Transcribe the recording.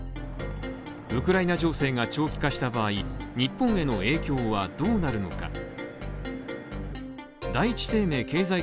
ウクライナ情勢が長期化した場合、日本への影響はどうなるのか。